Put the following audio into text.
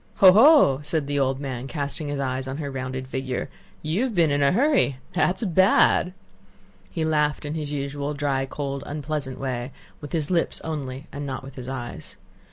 "Ho, ho!" said the old man, casting his eyes on her rounded figure. "You've been in a hurry. That's bad!" He laughed in his usual dry, cold, unpleasant way, with his lips only and not with his eyes.